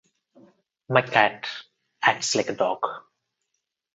My cat acts like a dog.